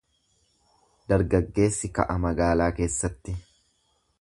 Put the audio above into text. Dargaggeessi ka'a magaalaa keessatti.